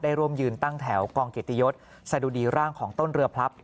ได้ร่วมยืนตั้งแถวกองเกตยศศัดดีร่างของต้นเรือพรับ